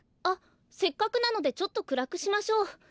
あっせっかくなのでちょっとくらくしましょう。